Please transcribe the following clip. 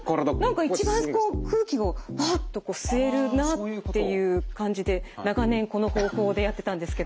いや何か一番こう空気をハッとこう吸えるなっていう感じで長年この方法でやってたんですけども。